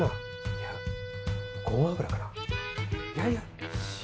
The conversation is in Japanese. いやいや塩？